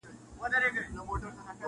• که په برخه یې د ښکار غوښي نعمت وو -